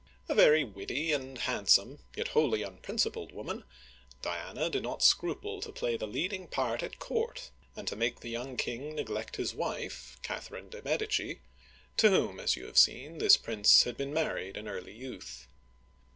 A very witty and handsome, yet wholly unprincipled* woman, Diana did not scruple to play the leading part at court, and to make the young king neglect his wife, — Catherine de' Medici, — to whom, as you have seen, this prince had been married in early youth.